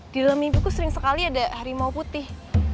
di dalam ibuku sering sekali ada harimau putih